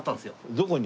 どこに？